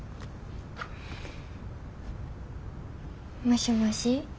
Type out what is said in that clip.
もしもし。